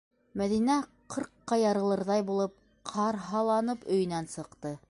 Мәҙинә ҡырҡҡа ярылырҙай булып, ҡарһаланып өйөнән сыҡты.